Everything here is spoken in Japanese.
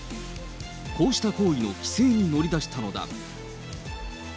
こうした行為の規制に乗り出したのだ。